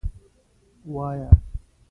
وایه.